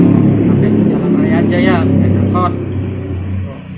sampai di jalan raya jaya di bandung